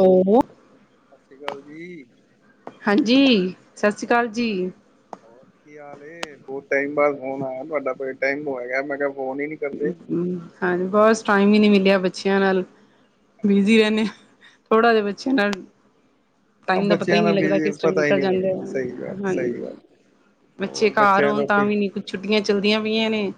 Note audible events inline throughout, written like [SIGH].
ਹੂੰ ਸਤਿ ਸ਼੍ਰੀ ਅਕਾਲ ਜੀ ਹਾਂਜੀ ਸਤਿ ਸ੍ਰੀ ਅਕਾਲ ਜੀ। ਹੋਰ ਕੀ ਹਾਲ ਬਹੁਤ ਟਾਈਮ ਬਾਸ ਹੋਣ ਆਇਆ ਤੁਹਾਡਾ ਟਾਈਮ ਹੋ ਗਿਆ ਮੈਂ ਕਿਹਾ। ਫੋਨ ਹੀ ਨੀ ਕਰਦੇ। ਹਾਂਜੀ ਬਹੁਤ ਟਾਈਮ ਵੀ ਨਹੀਂ ਮਿਲਿਆ ਬੱਚਿਆਂ ਨਾਲ ਅੱਛਾ ਬਿਜੀੀ ਰਹਿੰਦੇ ਆ ਅੱਛਾ, ਥੋੜ੍ਹਾ ਜਿਹਾ ਬੱਚਿਆਂ ਨਾਲ ਟਾਈਮ ਦਾ ਪਤਾ ਹੀ ਬੱਚਿਆਂ ਨਹੀਂੀ ਲੱਗਦਾ ਵੀ ਕਿਸ ਟਰਾਈਮ ਪਤਾ ਹੀ ਨਿਕਲ ਨਹੀਂ ਜਾਂਦਾ ਲੱਗਦਾ ਸਹੀ ਗੱਲ ਹਾਂਜੀ ਸਹੀ ਗੱਲ। ਬੱਚੇ ਹੋਰ ਘਰ ਬੱਚਿਆਂ ਹੋਣ ਨੂੰ ਤਾਂ ਕੀ ਵੀ ਨੀ ਕੁੱਛ ਛੁੱਟੀਆਂ ਚੱਲਦੀਆਂ ਪਈਆਂ ਨੇ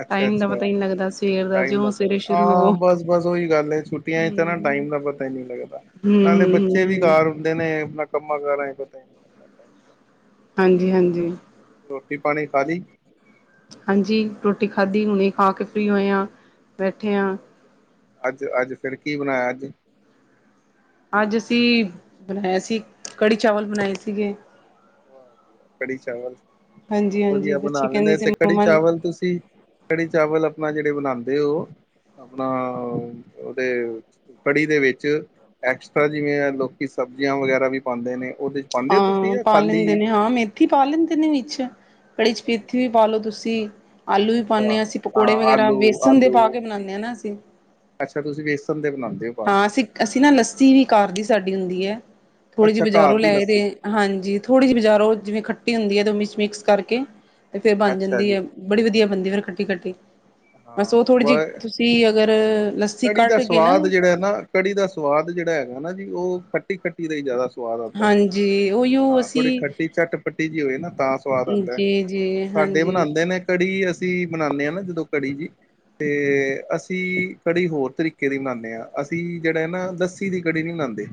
ਅੱਛਾ ਟਾਈਮ ਦਾ ਪਤਾ ਅੱਛਾ ਹੀ ਨਹੀਂ ਲੱਗਦਾ ਸਵੇਰ ਟਾਈਮ ਜਿਉਂ ਦਾ ਪ ਸਵੇਰੇ ਸ਼ੁਰੂ ਹਾਂ ਹੋਵੋ ਬਸ ਬਸ ਉਓਹੀ ਗੱਲ ਛੁੱਟੀਆਂ ਚ ਤਾਂ ਨਾ ਹਮ ਟਾਈਮ ਦਾ ਪਤਾ ਹੀ ਨਹੀਂੀ ਲੱਗਦਾ ਨਾਲੇ ਹਮ ਬੱਚੇ ਵੀ ਹਮ ਘਾਰ ਹੁੰਦੇ ਨੇ ਆਪਣਾ ਕੰਮਾਂ ਕਾਰ ਚ ਪਤਾ ਹੀ ਨਈ ਹਾਂਜੀ ਹਾਂਜੀ ਰੋਟੀ ਪਾਣੀ ਖਾਲੀ ਹਾਂਜੀ ਰੋਟੀ ਖਾਧੀ ਹੁਣੇ ਖਾ ਕੇ ਫਰੀ ਹੋਏ ਹਾਂ ਬੈਠੇ ਹਾਂ ਅੱਜ ਅੱਜ ਫਿਰ ਕੀ ਬਣਾਇਆ ਅੱਜ ਅੱਜ ਅਸੀਂ ਬਣਾਇਆ ਸੀ ਕੜੀ ਚਾਵਲ ਬਣਾਏ ਸੀਗੇ ਕੜੀ ਚਾਵਲ ਹਾਂਜੀ ਬਹੁਤ ਹਾਂਜੀ ਵਧੀਆ ਬਣਾ ਬੱਚੇ ਕਹਿੰਦੇ ਲੈਂਦੇ ਸੀ ਤੇ ਕੜੀ ਮੰਮਾ ਚਾਵਲ ਤੁਸੀਂ ਕੜੀ ਚਾਵਲ ਆਪਣਾ ਜਿਹੜੇ ਬਣਾਉਂਦੇ ਉਹ ਆਪਣਾ ਉਹਦੇ ਕੜੀ ਦੇ ਵਿੱਚ ਐਕਸਟਰਾ ਜਿਵੇਂ ਲੋਕੀ ਸਬਜ਼ੀਆਂ ਵਗੈਰਾ ਵੀ ਪਾਉਂਦੇ ਨੇ ਉਹਦੇ ਚ ਪਾਉਂਦੇ ਹੋ ਤੁਸੀਂ ਹਾਂ ਆ ਪਾ ਲੈਂਦੇ ਨੇ ਹਾਂ ਮੇਥੀ ਪਾ ਲੈਂਦੇ ਨੇ ਵਿੱਚ ਬੜੀ ਮੇਥੀ ਵੀ ਪਾਲੋ ਤੁਸੀਂ ਆਲੂ ਵੀ ਪਾਉਂਦੇ ਅੱਛਾ ਹਾਂ ਅਸੀਂ ਪਕੌੜੇ ਵਗੈਰਾ ਆਲੂ ਵੇਸਨ ਦੇ ਪਾ ਆਲੂ ਕੇ ਠੀਕ ਬਣਾਉਂਦੇ ਹਾਂ ਨਾ ਠੀਕ ਅਸੀਂ ਅੱਛਾ ਤੁਸੀਂ ਵੇਸਨ ਦੇ ਬਣਾਉਂਦੇ ਹੋ ਪਾ ਹਾਂ ਕੇ ਅਸੀਂ ਅਸੀਂ ਨਾ ਲੱਸੀ ਵੀ ਘਰ ਦੀ ਸਾਡੀ ਹੁੰਦੀ ਹੈ ਥੋੜੀ ਅੱਛਾ ਜਿਹੀ ਘਰ ਬਜ਼ਾਰੋਂ ਦੀ ਲੈ ਲੱਸੀ ਰਹੇ। ਹਾਂਜੀ ਥੋੜ੍ਹੀ ਜਿਹੀ ਬਜ਼ਾਰੋ ਜਿਵੇਂ ਖੱਟੀ ਹੁੰਦੀ ਹੈ ਤੇ ਉਹ ਵਿੱਚ ਮਿਕਸ ਕਰਕੇ ਤੇ ਫੇਰ ਬਣ ਅੱਛਾ ਜਾਂਦੀ ਜੀ ਹੈ। ਬੜੀ ਵਧੀਆ ਬਣਦੀ ਫੇਰ ਖੱਟੀ ਖੱਟੀ ਬਸ ਉਹ ਹਾਂ ਥੋੜੀ ਵ ਜਿਹੀ ਤੁਸੀਂ ਅਗਰ ਕੜੀ ਦਾ ਕੱਢ ਕੇ ਨਾ ਸਵਾਦ ਜਿਹੜਾ ਨਾ ਕੜੀ ਦਾ ਸਵਾਦ ਜਿਹੜਾ ਹੈਗਾ ਨਾ ਜੀ ਉਹ ਖੱਟੀ ਖੱਟੀ ਦਾ ਹੀ ਜਿਆਦਾ ਸਵਾਦ ਆਉਂਦਾ ਹਾਂਜੀ ਉਹੀਓ ਹਾਂ ਥੋੜੀ ਅਸੀਂ ਖੱਟੀ ਝੱਟ ਪੱਟੀ ਜਿਹੀ ਹੋਵੇ ਨਾ ਤਾਂ ਸਵਾਦ ਆਉਂਦਾ ਜੀ ਜੀ ਸਾਡੇ ਹਾਂਜੀ ਬਣਾਉਂਦੇ ਨੇ ਕੜੀ ਅਸੀਂ ਬਣਾਉਂਦੇ ਹਾਂ ਨਾ ਜਦੋਂ ਕੜੀ ਜੀ ਅਤੇ ਅਸੀਂ ਕੜੀ ਹੋਰ ਤਰੀਕੇ ਦੀ ਮਨਾਉਂਦੇ ਹਾਂ ਅਸੀਂ ਜਿਹੜਾ ਹੈ ਨਾ ਲੱਸੀ ਦੀ ਕੜੀ ਨਹੀਂ ਮਨਾਉਂਦੇ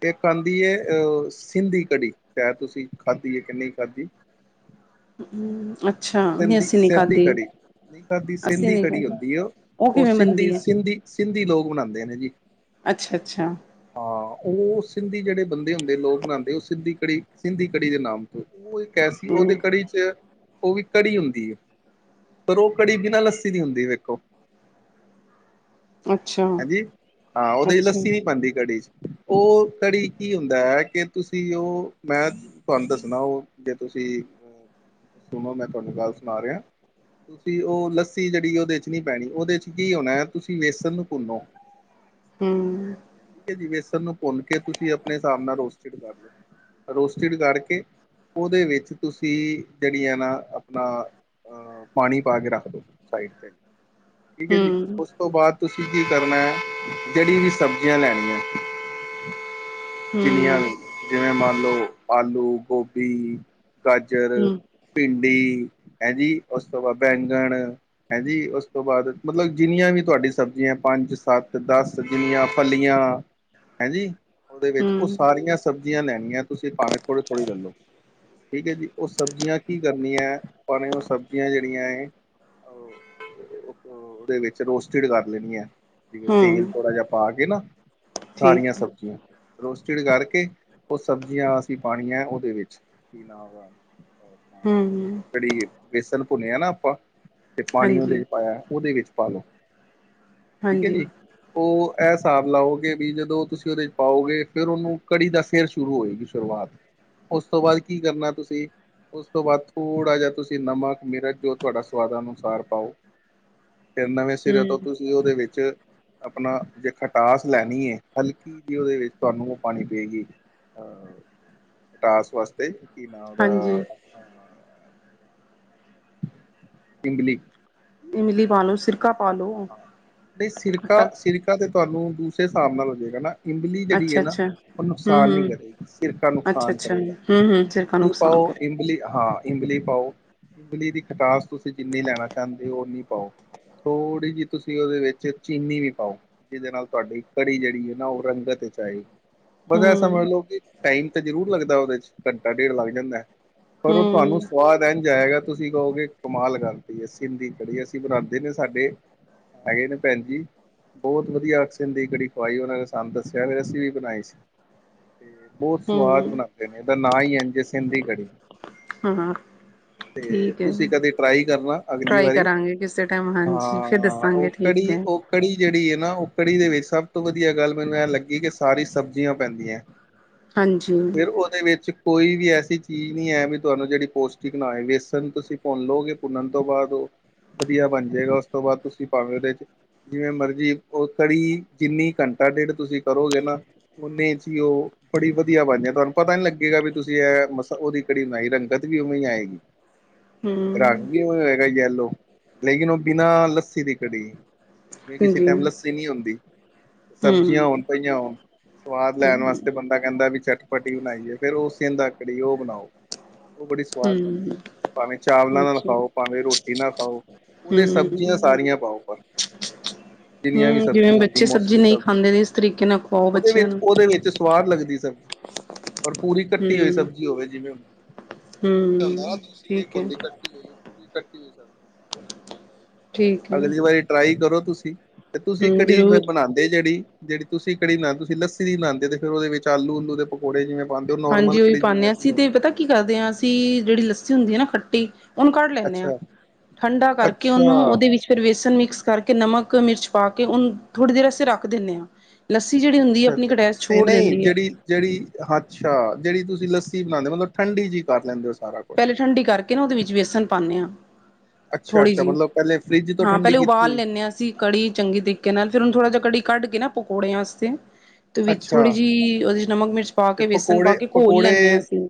ਤੇ ਖਾਂਦੀ ਹੈ ਅਹ ਸਿੰਧੀ ਕੜੀ ਸ਼ਾਇਦ ਤੁਸੀਂ ਖਾਧੀ ਹੈ। ਕਿ ਨਹੀਂ ਖਾਧੀ ਹਮ ਅੱਛਾ ਨਹੀਂ ਅਸੀਂ ਨੀ ਸਹਿੰਦੀ ਖਾਧੀ ਕੜੀ ਨਹੀਂ ਕਰਦੀ ਅਸੀਂ ਸਹਿੰਦੀ ਨੀ ਕੜੀ ਖਾਧੀ ਹੁੰਦੀ ਉਹ ਉਹ ਕਿਵੇਂ ਸਿੰਧੀ ਬਣਦੀ ਐ? ਸਿੰਧੀ ਸਿੰਧੀ ਲੋਕ ਮਨਾਉਂਦੇ ਨੇ ਜੀ ਅੱਛਾ ਅੱਛਾ ਹਾਂ ਉਹ ਸਿੰਧੀ ਜਿਹੜੇ ਬੰਦੇ ਹੁੰਦੇ ਲੋਕ ਬਣਾਉਂਦੇ ਉਹ ਸਿੰਧੀ ਕੜੀ ਸਿੰਧੀ ਕੜੀ ਦੇ ਨਾਮ ਤੋਂ ਉਹ ਕ ਸੀ ਉਹਦੇ ਹੂੰ ਕੜੀ ਚ ਉਹ ਵੀ ਕੜੀ ਹੁੰਦੀ ਹੈ ਪਰ ਉਹ ਕੜੀ ਬਿਨਾਂ ਲੱਸੀ ਦੀ ਹੁੰਦੀ ਵੇਖੋ ਅੱਛਾ ਹਾਂਜੀ ਹਾਂ ਉਹਦੇ ਚ ਅੱਛਾ ਲੱਸੀ ਨੀ ਪਾਉਂਦੀ ਕੜੀ ਚ ਉਹ ਕੜੀ ਕੀ ਹੁੰਦਾ ਹੈ ਕਿ ਤੁਸੀਂ ਉਹ ਮੈਂ ਤੁਹਾਨੂੰ ਦੱਸਣਾ ਉਹ ਜੇ ਤੁਸੀਂ ਅਹ ਸੁਣੋ ਮੈਂ ਤੁਹਾਨੂੰ ਗੱਲ ਸੁਣਾ ਰਿਹਾ ਤੁਸੀਂ ਉਹ ਲੱਸੀ ਜਿਹੜੀ ਉਹਦੇ ਚ ਨਹੀਂ ਪੈਣੀ ਉਹਦੇ ਚ ਕੀ ਹੋਣਾ ਹੈ ਤੁਸੀਂ ਵੇਸਣ ਨੂੰ ਭੁੰਨੋ ਹੂੰ। ਵੇਸਨ ਨੂੰ ਭੁੰਨ ਕੇ ਤੁਸੀਂ ਆਪਣੇ ਹਿਸਾਬ ਨਾਲ ਰੋਸਟਿਡ ਕਰ ਲਓ। ਰੋਸਟਿਡ ਕਰਕੇ ਉਹਦੇ ਵਿੱਚ ਤੁਸੀਂ ਜਿਹੜੀਆਂ ਨਾ ਆਪਣਾ ਪਾਣੀ ਪਾ ਕੇ ਰੱਖ ਦਿਉ ਸਾਈਡ ਤੇ ਠੀਕ ਹੈ ਜੀ ਉਸ ਹੂੰ ਉਸ ਤੋਂ ਬਾਅਦ ਤੁਸੀਂ ਕੀ ਕਰਨਾ ਹੈ ਜਿਹੜੀ ਵੀ ਸਬਜ਼ੀਆਂ ਲੈਣੀਆਂ ਜਿੰਨੀਆਂ ਹੂੰ ਵੀ ਜਿਵੇਂ ਮੰਨ ਲਓ ਆਲੂ ਗੋਭੀ ਗਾਜਰ ਹੂੰ ਭਿੰਡੀ ਹੈਂ ਜੀ ਉਸ ਤੋਂ ਬਾਅਦ ਬੈਂਗਣ ਹਂਜੀ ਉਸ ਤੋਂ ਬਾਅਦ ਮਤਲਬ ਜਿੰਨੀਆਂ ਵੀ ਤੁਹਾਡੀ ਸਬਜ਼ੀਆਂ ਪੰਜ ਸੱਤ ਦੱਸ ਜਿਨੀਆ ਫਲੀਆਂ ਹਂਜੀ ਉਹਦੇ ਵਿੱਚ ਉਹ ਹੂੰ ਸਾਰੀਆਂ ਸਬਜ਼ੀਆਂ ਲੈਣੀਆਂ ਤੁਸੀਂ ਭਾਵੇਂ ਥੋੜ੍ਹੀ ਥੋੜ੍ਹੀ ਲੈ ਲਓ ਠੀਕ ਹੈ ਜੀ ਉਹ ਸਬਜ਼ੀਆਂ ਕੀ ਕਰਨੀਆਂ ਪਾਣੀ ਉਹ ਸਬਜ਼ੀਆਂ ਜਿਹੜੀਆਂ ਉਹਦੇ ਵਿੱਚ ਰੋਸਟਿਡ ਕਰ ਲੈਣੀ ਹੈ। ਜਿਵੇਂ ਤੇਲ ਹੂੰ ਥੋੜ੍ਹਾ ਜਿ ਪਾ ਕੇ ਨਾ ਸਾਰੀਆਂ ਠੀਕ ਐ ਸਬਜ਼ੀਆਂ ਰੋਸਟਿਡ ਕਰਕੇ ਉਹ ਸਬਜ਼ੀਆਂ ਅਸੀਂ ਪਾਣੀਆਂ ਉਹਦੇ ਵਿੱਚ ਆਹੋ ਹੂੰ। ਜਿਹੜੀ ਵੇਸਨ ਭੁੰਨਿਆ ਨਾ ਆਪਾਂ ਤੇ ਪਾਣੀ ਉਹਦੇ ਹਾਂਜੀ ਚ ਪਾਇਆ ਉਹਦੇ ਵਿੱਚ ਪਾਲਓ। ਠੀਕ ਹੈ ਹਾਂਜੀ ਜੀ। ਉਹ ਇਹ ਹਿਸਾਬ ਲਾਓਗੇ ਵੀ ਜਦੋਂ ਤੁਸੀਂ ਉਹਦੇ ਚ ਪਾਓਗੇ ਫਿਰ ਉਹਨੂੰ ਕੜੀ ਦਾ ਫਿਰ ਸ਼ੁਰੂ ਹੋਏਗੀ ਸ਼ੁਰੂਆਤ। ਉਸ ਤੋਂ ਬਾਅਦ ਕੀ ਕਰਨਾ ਤੁਸੀਂ ਉਸ ਤੋਂ ਬਾਅਦ ਥੋੜ ਥੋੜ੍ਹਾ ਜਿਹਾ ਤੁਸੀਂ ਨਮਕ ਮਿਰਚ ਜੋ ਤੁਹਾਡਾ ਸਵਾਦ ਅਨੁਸਾਰ ਪਾਓ ਫਿਰ ਨਵੇਂ ਸਿਰੇ ਤੋਂ ਹੂੰ ਤੁਸੀਂ ਉਹਦੇ ਵਿੱਚ ਆਪਣਾ ਜੇ ਖਟਾਸ ਲੈਣੀ ਹੈ ਹਲਕੀ ਜੀ ਉਹਦੇ ਵਿੱਚ ਤੁਹਾਨੂੰ ਉਹ ਪਾਣੀ ਪਏਗੀ। ਅ ਖਟਾਸ ਵਾਸਤੇ ਕੀ ਨਾ ਉਹਦਾ ਹਾਂਜੀ ਆਪਣਾ ਇਮਲੀ ਇਮਲੀ ਪਾ ਲ ਲੋ ਸਿਰਕਾ ਪਾ ਲੋ। ਹਾਂ ਨਹੀਂ ਸਿਰਕਾ ਖੱਟਾ ਸਿਰਕਾ ਤੇ ਤੁਹਾਨੂੰ ਦੂਸਰੇ ਹਿਸਾਬ ਨਾਲ ਹੋ ਜਾਵੇਗਾ ਨਾ ਇਮਲੀ ਜਿਹੜੀ ਹੈ ਨਾ ਅੱਛਾ-ਅੱਛਾ ਉਹ ਨੁਕਸਾਨ ਨਹੀਂ ਹੂੰ ਕਰੇਗੀ ਸਿਰਕਾ ਨੁਕਸਾਨ ਅੱਛਾ-ਅੱਛਾ ਕਰੇਗਾ ਹੂੰ-ਹੂੰ ਸਿਰਕਾ ਇਮਲੀ ਨੁਕਸਾਨ ਪਾਓ ਕਰੇ ਇਮਲੀ ਹਾਂ। ਇਮਲੀ ਪਾਓ ਇਮਲੀ ਦੀ ਖਟਾਸ ਤੁਸੀਂ ਜਿੰਨੀ ਲੈਣਾ ਚਾਹੁੰਦੇ ਹੋ ਉਨੀ ਪਾਓ ਥੋੜ੍ਹੀ ਜੀ ਤੁਸੀਂ ਉਹਦੇ ਵਿੱਚ ਚੀਨੀ ਵੀ ਪਾਓ ਜਿਹਦੇ ਨਾਲ ਤੁਹਾਡੀ ਕੜੀ ਜਿਹੜੀ ਹੈ ਨਾ ਉਹ ਰੰਗਤ ਵਿੱਚ ਆਏ। ਸਮਝ ਹੂੰ ਲਓ ਕਿ ਟਾਈਮ ਤਾਂ ਜ਼ਰੂਰ ਲੱਗਦਾ ਉਹਦੇ ਚ ਘੰਟਾ ਡੇਢ ਲੱਗ ਜਾਂਦਾ। ਪਰ ਉਹ ਤੁਹਾਨੂੰ ਹੂੰ ਸਵਾਦ ਐਜਾਏਗਾ। ਤੁਸੀਂ ਕਹੋਗੇ ਕਮਾਲ ਕਾਰਤੀ ਹੈ ਸਿੰਧੀ ਕੜੀ ਅਸੀਂ ਬਣਾਉਂਦੇ ਨੇ ਸਾਡੇ ਹੈਗੇ ਨੇ ਭੈਣ ਜੀ ਬਹੁਤ ਵਧੀਆ ਸਿੰਦੀ ਕੜੀ ਖਵਾਈ ਉਹਨਾਂ ਨੇ ਸਾਨੂੰ ਦੱਸਿਆ ਫਿਰ ਅਸੀਂ ਵੀ ਬਣਾਈ ਸੀ। ਤੇ ਬਹੁਤ ਸਵਾਦ ਹੂੰ ਬਣਾਉਂਦੇ ਨੇ ਇਹਦਾ ਨਾਂ ਹੀ ਏ ਸਿੰਧੀ ਕੜੀ। ਹਾਂ। ਤੇ ਠੀਕ ਐ ਤੁਸੀਂ ਕਦੇ ਟਰਾਈ ਕਰਨਾ ਅਗਲੀ ਟਰਾਈ ਵਾਰੀ ਕਰਾਂਗੇ ਕਿਸੇ ਟਾਈਮ ਹਾਂਜੀ ਫਿਰ ਹਾਂ ਦੱਸਾਂਗੇ ਉਹ ਠੀਕ ਕੜੀ ਹੈ ਉਹ ਕੜੀ ਜਿਹੜੀ ਹੈ ਨਾ ਉਹ ਕੜੀ ਦੇ ਵਿੱਚ ਸਭ ਤੋਂ ਵਧੀਆ ਗੱਲ ਮੈਨੂੰ ਐ ਲੱਗੀ ਕਿ ਸਾਰੀ ਸਬਜ਼ੀਆਂ ਪੈਂਦੀਆਂ। ਹਾਂਜੀ ਫਿਰ ਉਹਦੇ ਵਿੱਚ ਕੋਈ ਵੀ ਐਸੀ ਚੀਜ਼ ਨਹੀਂ ਹੈ ਵੀ ਤੁਹਾਨੂੰ ਜਿਹੜੀ ਪੌਸ਼ਟਿਕ ਨਾਏ ਵੇਸਣ ਤੁਸੀਂ ਭੁੰਨ ਲਓਗੇ ਭੁੰਨਣ ਤੋਂ ਬਾਅਦ ਉਹ ਵਧੀਆ ਬਣ ਜਾਏਗਾ ਉਸ ਤੋਂ ਬਾਅਦ ਤੁਸੀਂ ਭਾਵੇਂ ਉਹਦੇ ਚ ਜਿਵੇਂ ਮਰਜੀ ਉਹ ਘੜੀ ਜਿੰਨੀ ਘੰਟਾ ਡੇਢ ਤੁਸੀਂ ਕਰੋਗੇ ਨਾ ਉਹਨੇ ਚੀ ਉਹ ਬੜੀ ਵਧੀਆ ਬਣਦੀ ਹੈ ਤੁਹਾਨੂੰ ਪਤਾ ਨੀ ਲੱਗੇਗਾ ਵੀ ਤੁਸੀਂ ਇਹ ਮਸ ਉਹਦੀ ਕੜੀ ਬਣਾਈ ਰੰਗਤ ਵੀ ਉਵੇਂ ਆਏਗੀ। [INAUDIBLE] ਹਮ। ਰੰਗ ਵੀ ਹੋਇਆ ਹੋਏਗਾ ਯੈਲੋ, ਲੇਕਿਨ ਉਹ ਬਿਨਾਂ ਲੱਸੀ ਦੀ ਕੜੀ। ਜਿਵੇਂ ਕਿਸੇ ਹਾਂਜੀ ਟਾਈਮ ਲੱਸੀ ਨਹੀਂ ਹੁੰਦੀ। ਹਮ ਸਬਜ਼ੀਆਂ ਹੋਣ, ਪਈਆਂ ਹੋਣ, ਸਵਾਦ ਲੈਣ ਵਾਸਤੇ ਬੰਦਾ ਕਹਿੰਦਾ ਵਈ ਚਟ ਪੱਟੀ ਬਣਾਈਏ, ਫੇਰ ਉਹ ਸੇਂਦਾ ਕੜੀ ਉਹ ਬਣਾਓ। ਉਹ ਬੜੀ ਸਵਾਦ ਹਮ ਬਣਦੀ, ਭਾਵੇਂ ਚਾਵਲਾਂ ਨਾਲ ਅੱਛਾ ਖਾਓ, ਭਾਵੇਂ ਰੋਟੀ ਨਾਲ ਖਾਓ, ਉਹਦੇ ਚ ਸਬਜ਼ੀਆਂ ਹਮ ਸਾਰੀਆਂ ਪਾਓ ਪਰ ਜਿੰਨੀਆਂ ਵੀ ਹਮ ਜਿਵੇਂ ਸਬਜ਼ੀਆਂ ਹੁੰਦੀਆਂ, ਬੱਚੇ ਸਬਜ਼ੀ ਮੌਸਮੀ- ਨਹੀਂ ਸਬਜ਼ੀਆਂ ਖਾਂਦੇ ਨੇ ਇਸ ਤਰੀਕੇ ਨਾਲ ਖਵਾਓ ਉਹਦੇ ਬੱਚਿਆਂ ਵਿੱਚ ਨੂੰ ਓ ਉਹਦੇ ਵਿੱਚ ਸਵਾਦ ਲੱਗਦੀ ਸਬਜ਼ੀ। ਪਰ ਪੂਰੀ ਕੱਟੀ ਹੋਈ ਹਮ ਸਬਜ਼ੀ ਹੋਵੇ ਜਿਵੇਂ ਹਮ ਠੀਕ ਹੈ [UNINTELLIGIBLE] ਕੱਟੀ ਹੋਈ, ਠੀਕ ਹੈ ਅਗਲੀ ਵਾਰੀ ਟਰਾਈ ਕਰੋ ਤੁਸੀਂ, ਤੇ ਤੁਸੀਂ ਹਮ ਕੜੀ ਮੈਂ ਜ਼ਰੂਰ ਬਣਾ ਤੇ ਜਿਹੜੀ, ਜਿਹੜੀ ਤੁਸੀਂ ਕੜੀ ਨਾਲ ਤੁਸੀਂ ਲੱਸੀ ਦੀ ਬਣੌਦੇ ਓ, ਤੇ ਫੇਰ ਉਹਦੇ ਵਿੱਚ ਆਲੂ ਉਲੂ ਦੇ ਪਕੌੜੇ ਜਿਵੇ ਹਾਂਜੀ ਉਹ ਵੀ ਪਾਨੇ ਆਂ, ਅਸੀਂ ਤੇ ਪਤਾ ਕੀ ਕਰਦੇ ਆਂ ਅਸੀਂ ਜਿਹੜੀ ਲੱਸੀ ਹੁੰਦੀ ਹੈ ਨਾ ਖੱਟੀ ਉਹਨੂੰ ਕੜ ਲੈਂਨੇਆਾਂ ਅੱਛਾ ਠੰਡਾ ਕਰਕੇ ਅੱਛਾ ਉਹਨੂੰ ਉਹਦੇ ਵਿੱਚ ਫਿਰ ਵੇਸਨ ਮਿਕਸ ਕਰਕੇ ਨਮਕ ਮਿਰਚ ਪਾ ਕੇ ਉਹਨੂੰ ਥੋੜ੍ਹੀ ਦੇਰ ਅਸੀਂ ਰੱਖ ਦਿੰਦੇ ਹਾਂ। ਲੱਸੀ ਜਿਹੜੀ ਹੁੰਦੀ ਹੈ ਅੱਛਾ ਆਪਣੀ ਅੱਛਾ ਕਟਾਇਸ਼ ਨਹੀਂ ਛੋੜ ਨਹੀਂ ਦਿੰਦੀ ਹੈ। ਜਿਹੜੀ ਜਿਹੜੀ ਅੱਛਾ ਜਿਹੜੀ ਤੁਸੀਂ ਲੱਸੀ ਬਣਾਉਂਦੇ ਹੋ ਮਤਲਬ ਠੰਡੀ ਜਿਹੀ ਕਰ ਲੈਂਦੇ ਹੋ ਸਾਰਾ। ਕੁਛ ਪਹਿਲੇ ਠੰਡੀ ਕਰਕੇ ਨਾ ਉਹਦੇ ਵਿੱਚ ਵੇਸਣ ਪਾਉਂਦੇ ਹਾਂ। ਅੱਛਾ ਥੋੜ੍ਹੀ ਅੱਛਾ ਜਿਹੀ ਮਤਲਬ ਪਹਿਲੇ ਫਰਿੱਜ ਤੋਂ ਹਾਂ ਠੰਡੀ ਪਹਿਲੇ ਕੀਤੀ ਉਬਾਲ ਹੋਈ ਲੈਂਦੇ ਹਾਂ। ਅਸੀਂ ਕੜੀ ਚੰਗੀ ਤਰੀਕੇ ਨਾਲ, ਫ਼ਿਰ ਉਹਨ ਥੋੜਾ ਜਿਹਾ ਕੜੀ ਕੱਢ ਕੇ ਨਾ ਪਕੌੜੇਆ ਆਸਤੇ ਤੇ ਵਿੱਚ ਥੋੜ੍ਹੀ ਅੱਛਾ ਜਿਹੀ ਉਹਦੇ ਚ ਨਮਕ- ਮਿਰਚ ਪਾ ਤੇ ਕੇ, ਵੇਸਨ ਪਾ ਪਕੌੜੇ ਕੇ ਘੋਲ ਲੈਂਨੇ ਹਾਂ ਪਕੌੜੇ ਅਸੀਂ।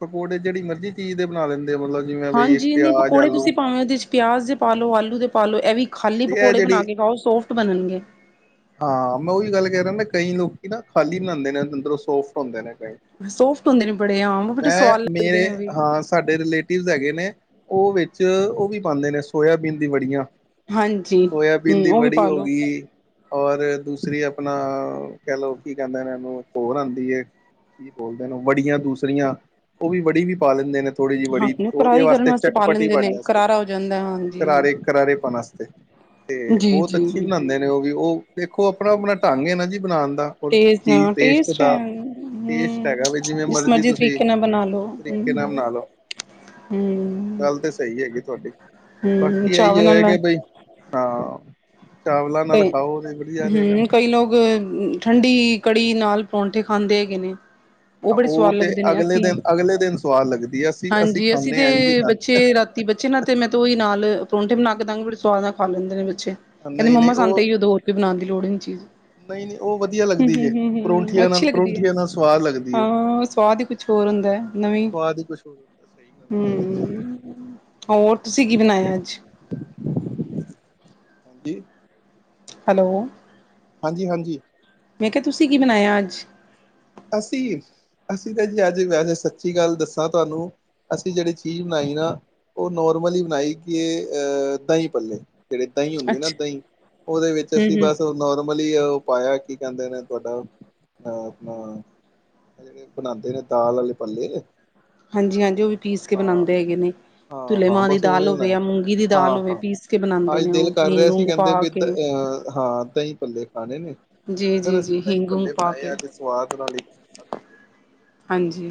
ਪਕੌੜੇ ਜਿਹੜੀ ਮਰਜ਼ੀ ਚੀਜ਼ ਦੇ ਬਣਾ ਲੈਂਦੇ ਓ, ਮਤਲਬ ਜਿਵੇਂ ਵਈ, ਪਿਆਜ, ਆਲੂ। ਪਿਆਜ ਦੇ ਪਾਾਲੋ, ਆਲੂ ਦੇ ਪਾਲੋ, ਇਹਵੀ ਖਾਲੀ ਤੇ ਇਹ ਪਕੌੜੇ ਜਿਹੜੀ ਬਣਾ ਕੇ ਖਾਓ ਸੋਫਟ ਬਣਨਗੇ। ਹਾਂ, ਮੈਂ ਉਹੀ ਗੱਲ ਕਹਿ ਰਿਹਾ ਨਾ, ਕਈ ਲੋਕੀ ਨਾ ਖਾਲੀ ਬਣਾਦੇ ਨੇ ਅੰਦਰੋਂ ਸੋਫਟ ਹੁੰਦੇ ਨੇ ਕਈ। ਸੋਫਟ ਹੁੰਦੇ ਨੇ ਬੜੇ ਆਮ ਬੜੇ ਸਵਾਦ ਲੱਗਦੇ ਮੈਂ-ਮੇਰੇ ਨੇ ਉਹ ਵੀ ਹਾਂ, ਸਾਡੇ ਰਿਲੇ ਟਿਵਸ ਹੈਗੇ ਨੇ, ਉਹ ਵਿੱਚ ਉਹ ਵੀ ਪਾਂਦੇ ਨੇ ਸੋਇਆਬੀਨ ਦੀ ਵੜੀਆਂ। ਹਾਂਜੀ ਸੋਇਆਬੀਨ ਹਮ ਦੀ ਉਹ ਵੀ ਵੜੀ ਹੋ ਪਾਲੋ ਗਈ। ਔਰ ਦੂਸਰੀ ਆਪਣਾ ਕਹਿ ਲੋਓ, ਕੀ ਕਹਿੰਦੇ ਨੇ ਉਹਨੂੰ ਹੋਰ ਆਦੀ ਏ। ਕੀ ਬੋਲਦੇ, ਓ ਵੜੀਆਂ ਦੂਸਰੀਆਂ ਉਹ ਵੀ ਵੜੀ ਵੀ ਪਾ ਲੈਂਦੇ ਨੇ। ਥੋੜ੍ਹੀ ਜਿਹੀ ਵੜੀ ਹਾਂਜੀ ਉਹਦੇ ਕਰਾਰੀ ਕਰਨ ਵਾਸਤੇ ਪਾ ਚਟਪਟੀ ਲੈਂਦੇ ਨੇ ਪੰਨ ਆਸਤੇ, ਕਰਾਰਾ ਹੋ ਜਾਂਦਾ ਹਾਂ ਹਾਂਜੀ ਕਰਾਰੇ-ਕਰਾਰੇ ਪੰਨ ਆਸਤੇ। ਤੇ ਜੀ ਬਹੁਤ ਅੱਛੀ ਜੀ ਬਣਾਦੇ ਨੇ ਉਹ ਵੀ, ਉਹ ਦੇਖੋ ਆਪਣਾ-ਆਪਣਾ ਢੰਗ ਏ ਨਾ ਜੀ ਬਣਾਣ ਦਾ। ਹੋਰ ਟੇਸਟ ਚੀਜ਼ ਨਾ ਟੇਸਟ ਹੈ ਦਾ, ਟੇਸਟ ਹਮ ਹੈਗਾ ਵੀ ਜਿਵੇਂ ਜਿਸ ਮਰਜ਼ੀ ਤੁਸੀਂ ਤਰੀਕੇ ਨਾਲ ਬਣਾ ਲੋ ਤੇ ਕੇ ਨਾਮ ਹਮ ਨਾ ਲੋ ਹਮ ਗੱਲ ਤੇ ਸਹੀ ਹੈਗੀ, ਤੁਹਾਡੀ ਹਮ ਬਾਕੀ ਏਹੀ ਚਾਵਲ ਹੈ, ਕਿ ਨਾਲ ਬਈ ਹਾਂ ਚਾਵਲਾਂ ਨਾਲ ਖਾਓ ਉ ਹੂੰ, ਕਈ ਲੋਕ ਠੰਡੀ ਕੜੀ ਨਾਲ ਪਰੌਂਠੇ ਖਾਂਦੇ ਹੈਗੇ ਨੇ। ਉਹ ਬੜੇ ਸਵਾਦ ਤੇ ਲੱਗਦੇ ਨੇ ਅਗਲੇ ਅਸੀਂ, ਦਿਨ ਅਗਲੇ ਦਿਨ ਸਵਾਦ ਲੱਗਦੀ ਹੈ ਅਸੀਂ ਹਾਂਜੀ ਅਸੀਂ ਖਾਂਦੇ ਤੇ ਹਾਂ ਇੰਝ ਹੀ ਖਾਂਦੇ ਬੱਚੇ ਰਾ [UNINTELLIGIBLE] ਬੱਚੇ ਨਾਲ, ਤੇ ਮੈਂ ਤ ਉਹੀ ਨਾਲ ਪਰੌਂਠੇ ਬਣਾ ਕੇ ਦਾਂਗੀ, ਬੜੇ ਸਆਦ ਨਾਲ ਖਾ ਲੈਂਦੇ ਨੇ ਬੱਚੇ। ਕਹਿੰਦੇ ਨਹੀਂ ਮੰਮਾ ਨਹੀਂ ਸਾਨੂੰ ਤੇ ਉਹ ਏਹਿਓ ਦੋਂ, ਹੋਰ ਤੇ ਬਣਾਣ ਦੀ ਲੋੜ ਹੀ ਨੀ ਚੀਜ਼। ਨਹੀਂ ਨਹੀਂ ਉਹ ਵਧੀਆ ਲੱਗਦੀ ਜੇ ਹੂੰ-ਹੂੰ-ਹੂੰ-ਹੂੰ ਪਰੌਂਠੀਆਂ ਨਾਲ ਅੱਛੀ ਲੱਗਦੀ ਹੈ, ਪਰੌਂਠੀਆਂ ਨਾਲ ਸਵਾਦ ਲੱਗਦੀ ਉਹ ਹਾਂ ਸਵਾਦ ਹੀ ਛੋਰ ਹੁੰਦਾ ਐ, ਨਵੀਂ ਸਵਾਦ ਹੀ ਕੁਛ ਹੋਰ ਹੁੰਦਾ ਸਹੀ ਹੂੰ ਗੱਲ ਮ ਹੋਰ ਤੁਸੀਂ ਕੀ ਬਣਾਇਆ ਅੱਜ? ਹਾਂਜੀ। ਹੈਲੋ। ਹਾਂਜੀ-ਹਾਂਜੀ। ਮੈਂ ਕਿਹਾ, ਤੁਸੀਂ ਕੀ ਬਣਾਇਆ ਅੱਜ? ਅਸੀ। ਅਸੀਂ ਤੇ ਜੀ ਅੱਜ ਵੈਸੇ, ਸੱਚੀ ਗੱਲ ਦੱਸਾਂ ਤੁਹਾਨੂੰ, ਅਸੀਂ ਜਿਹੜੀ ਚੀਜ਼ ਬਣਾਈ ਨਾ ਉਹ ਨੋਰਮਲੀ ਬਣਾਈ ਕੇ ਅਹ ਦਹੀਂ-ਪੱਲੇ। ਜਿਹੜੇ ਦਹੀਂ ਹੁੰਦੀ ਅੱਛਾ ਨਾ-ਦਹੀਂ ਉਹਦੇ ਵਿੱਚ ਹੂੰ, ਅਸੀਂ ਹੂੰ ਬਸ [UNINTELLIGIBLE] ਨੋਰਮਲੀ ਉਹ ਪਾਇਆ, ਕੀ ਕਹਿੰਦੇ ਨੇ ਤੁਹਾਡਾ ਅਹ ਹ ਜਿਹੜੇ ਬਣਾਦੇ ਨੇ ਦਾਲ ਵਾਲੇ ਪੱਲੇ ਹਾਂਜੀ-ਹਾਂਜੀ, ਉਹ ਵੀ ਪੀਸ ਕੇ ਹਾਂ ਬਣਾਦੇ ਹੈਗੇ ਨੇ। ਹਾਂ ਤੁੁਲੇ ਹਾਂ ਮਾਂ ਦੀ ਬਸ ਦਾਲ ਉਵੇਂ ਹੋਵੇ, ਬਣਾਇਆ ਜਾਂ ਮੂੰਗੀ ਦੀ ਦਾਲ ਹਾਂ ਹੋਵੇ, ਹਾਂ ਪੀਸ ਕੇ ਬਣਾਉਂਦੇ ਅੱਜ ਨੇ ਦਿਲ ਉਹ ਕਰ ਹਿਗ ਰਿਹਾ ਸੀ ਹੂਗ ਕਹਿੰਦੇ ਪਾ ਵੀ ਕੇ ਅਹ ਹਾਂ ਦਹੀਂ ਭੱਲੇ ਖਾਣੇ ਨੇ ਜੀ, ਉਹ ਫੇਰ ਜੀ, ਅਸੀਂ ਜੀ ਦਹੀਂ ਹਿੰਗ ਹੁੰਗ ਭੱਲੇ ਪਾ ਬਣਾਏ ਕੇ ਅੱਜ ਬਾਹਕ ਨਾਲੀ ਹਾਂਜੀ।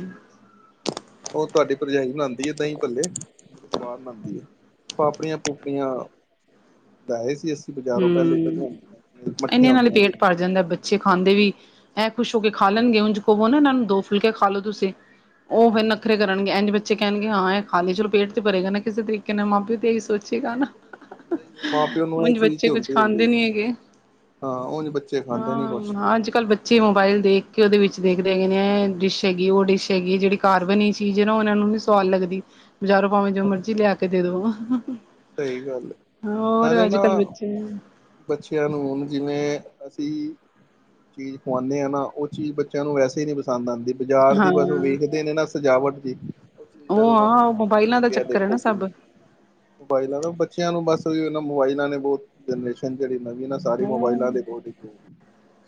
ਉਹ ਤੁਹਾਡੀ ਭਰਜਾਈ ਬਣਾਦੀ ਆ ਦਹੀਂ ਪੱਲੇ ਬੜੇ ਸਵਾਦ ਬਣਾਉਂਦੀ ਆ। [INAUDIBLE] ਬਜ਼ਾਰੋਂ ਪਹਿਲੇ [UNINTELLIGIBLE] [UNINTELLIGIBLE] ਅੱਛੇ ਖਾਂਦੇ ਵੀ ਐਂ ਖੁਸ਼ ਹੋ ਕੇ ਖਾ ਲੈਗੇ, ਉਂਝ ਕੋ ਨਾ ਇਹ ਨੂੰ ਦੋ ਫੁਲਕੇ ਖਾ ਲੋ ਤੁਸੀਂ? ਉਹ ਫਿਰ ਨੱਖਰੇ ਕਰਨਗੇ, ਇੰਝ ਬੱਚੇ ਕਹਿਣਗੇ, ਹਾਂ ਇਹ ਖਾਲੀ ਚਲੋ ਪੇਟ ਤੇ ਭਰੇਗਾ ਨਾ ਕਿਸੇ ਤਰੀਕੇ ਨਾਲ ਮਾਂ ਪਿਓ ਤੇ ਇਹੀ ਸੋਚ ਠੀਕ ਆ ਨਾ ਹੁੰਦਾ ਹੀ ਹੈ, ਮਾਂ ਪਿਓ ਨੂੰ ਇਹ [UNINTELLIGIBLE] ਚੀਜ਼ ਤੇ ਕੁਛ ਹੁੰਦੀ ਹੁੰਦੀ ਖਾਂਦੇ ਹੈ ਨੀ ਹੈਗੇ? ਹਾਂ ਉਝ ਬੱਚੇ ਖਾਂਦੇ ਨੀ ਹਾਂ। ਕੁਛ ਹਾਂ ਅੱਜ-ਕੱਲ੍ਹ ਬੱਚੇ ਮੋਬਾਇਲ ਦੇਖ ਕੇ, ਉਹਦੇ ਵਿੱਚ ਦੇਖਦੇ ਹੈਗੇ ਨੇ ਇਹ ਡਿਸ਼ ਹੈਗੀ, ਉਹ ਬਸ ਡਿਸ਼ ਹੈਗੀ ਹੈ ਜਿਹੜੀ ਘਰ ਬਣੀ ਸੀ, ਜਿਹੜੀ ਉਹਨਾਂ ਨੂੰ, ਨੀ ਸਵਾਦ ਲੱਗਦੀ, ਬਜ਼ਾਰੋਂ ਭਾਵੇਂ ਜੋ ਮਰਜੀ ਲਿਆ ਕੇ ਦੇ ਦੋ [UNINTELLIGIBLE] ਸਹੀ ਗੱਲ ਹੈ ਹੋਰ ਨਾਲੇ ਨਾ ਅੱਜ-ਕੱਲ੍ਹ ਬੱਚੇ ਬੱਚਿਆਂ ਨੂੰ, ਹੁਣ ਜਿਵੇਂ-ਅਸੀਂ। ਚੀਜ਼ ਖਵਾਨੇ ਆ ਨਾ ਉਹ ਚੀਜ਼ ਬੱਚਿਆਂ ਨੂੰ ਵੈਸੇ ਨੀ ਪਸੰਦ ਆਂਦੀ, ਬਾਜ਼ਾਰ ਹਾਂ ਦੀ ਬਸ ਓਹ ਵੇਖਦੇ ਨੇ ਨਾ ਸਜਾਵਟ, ਜ ਓ ਆਂ, ਮੋਬਾਇਲਾਂ ਦਾ ਚੱਕਰ ਹੈ ਨਾ ਕਿੰਨੀ ਸਭ ਮੋਬਾਇਲਾਂ ਦਾ ਬੱਚਿਆਂ ਨੂੰ ਬਸ, ਵੀ ਓਨਾਂ ਮੋਬਾਇਲਾਂ ਨੇ ਬਹੁਤ ਜਨਰੇਸ਼ਨ ਜਿਹੜੀ ਨਵੀ ਸਾਰੀ ਮੋਬਾਇਲਾਂ ਹੂੰ [UNINTELLIGIBLE]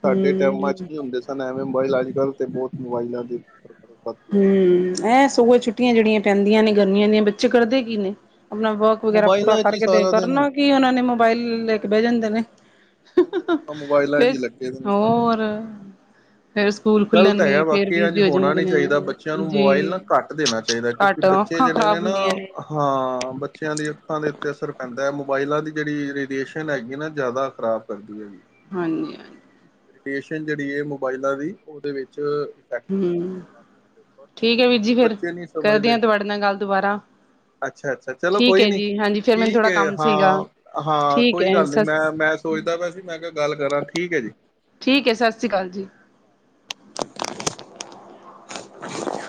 ਸਾਡੇ ਹੂੰ ਟੈਮਾਂਚ ਨਹੀਂ ਹੁੰਦੇ ਸਨ, ਐਵੇਂ ਮੋਬਾਈਲ ਅੱਜ ਕੱਲ੍ਹ ਤੇ- ਬਹੁਤ ਮੋਬਾਈਲਾਂ ਦੇ ਗਿਆ ਹਮ--ਐ, ਸਗੋਂ ਛੁੱਟੀਆਂ ਜਿਹੜੀਆਂ ਪੈਂਦੀਆਂ ਨੇ ਗਰਮੀਆਂ ਦੀਆਂ, ਬੱਚੇ ਕਰਦੇ ਕੀ ਨੇ ਆਪਣਾ ਵਰਕ ਵਗੈਰਾ ਪੂਰਾ ਮੋਬਾਇਲਾਂ ਚ ਹੀ ਕਰਕੇ ਦੇ ਸਾਰਾ ਦਿਨ ਕਰਨਾ ਕਿਐ ਏਨਾਂ ਨੇ, ਮੋਬਾਇਲ ਲੈ ਕੇ ਬਹਿ ਮੋਬਾਇਲਾਂ ਜਾਂਦੇ ਨੇ। ਉਹ [UNINTELLIGIBLE] ਮੋਬਾਇਲਾਂ ਚ ਹੀ ਲੱਗੇ ਦੇ ਨੇ ਸਾਰਾ ਹੋਰ [UNINTELLIGIBLE] ਗ਼ਲਤ ਹੈਗਾ, ਖੁੱਲਣਗੇ ਫੇਰ ਬਾਕੀ ਐਜੰ ਬਿਜ਼ੀ ਹੋ ਹੋਣਾ ਜਾਂਦੇ ਨੀ ਚਾਹੀਦਾ। ਬੱਚਿਆਂ ਨੇ ਨੂੰ ਜੀ ਮੋਬਾਇਲ ਨਾ, ਘੱਟ ਦੇਣਾ ਚਾਹੀਦਾ। ਕਿਉਂਕਿ ਘੱਟ ਬੱਚੇ ਅੱਖਾਂ ਜਿਹੜੇ ਖ਼ਰਾਬ ਨੇ ਨਾ ਹੁੰਦੀਆਂ ਹਾਂ ਬੱਚਿਆਂ ਦੀ ਅੱਖਾਂ ਦੇ ਉੱਤੇ ਅਸਰ ਪੈਂਦਾ, ਮੋਬਾਈਲਾਂ ਦੀ ਜਿਹੜੀ ਰੇਡੀਏਸ਼ਨ ਹੈਗੀ ਐਨਾ, ਜ਼ਿਆਦਾ ਖ਼ਰਾਬ [UNINTELLIGIBLE] ਹਾਂਜੀ [UNINTELLIGIBLE] ਜਿਹੜੀ ਹੈ ਮੋਬਾਇਲਾਂ ਦੀ ਓਦੇ ਵਿੱਚ ਜ਼ਿਆਦਾ ਹਮ ਪੈਂਦਾ ਅੱਖਾਂ ਦੇ ਉੱਪਰ ਠੀਕ ਹੈ ਵੀਰਜੀ, ਫਿਰ ਬੱਚੇ ਕਰਦੇ ਹ ਤੁਹਾਡੇ ਨਾਲ ਗੱਲ ਦੁਬਾਰਾ ਅੱਛਾ-ਅੱਛਾ, ਚਲੋ ਠੀਕ ਕੋਈ ਹੈ ਨੀ ਜੀ ਹਾਂਜੀ ਫੇਰ ਮੈਨੂੰ ਠੀਕ ਥੋੜਾ ਹੈ, ਕੰਮ ਸੀਗਾ ਹਾਂ- ਹਾਂ ਠੀਕ ਕੋਈ ਹੈ ਗੱਲ ਨੀ, ਸਤਿ ਮੈਂ- ਮੈਂ ਸੋਚਦਾ ਪਿਆ ਸੀ, ਮੈਂ ਕਿਹਾ ਗੱਲ ਕਰਾਂ ਠੀਕ ਹੈ ਜੀ। ਠੀਕ ਹੈ, ਸਤਿ ਸ਼੍ਰੀ ਅਕਾਲ ਜੀ।